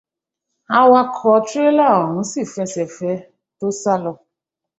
Awakọ̀ tírélà ọ̀hún sí ì f'ẹsẹ fẹ́ẹ tó sálọ.